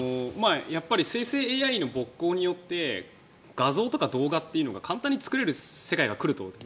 やっぱり生成ＡＩの勃興によって画像とか動画っていうのが簡単に作れる世界が来ると。